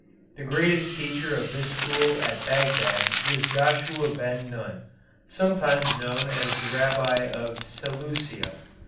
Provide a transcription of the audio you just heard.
The greatest teacher of this school at Bagdad was Joshua Ben Nun, sometimes known as the Rabbi of Seleucia.